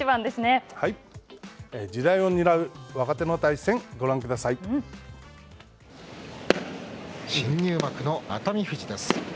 次代を担う若手の対戦新入幕の熱海富士です。